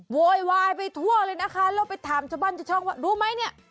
โวยวายไปทั่วเลยนะคะแล้วไปถามชาวบ้านชาวช่องว่ารู้ไหมเนี่ย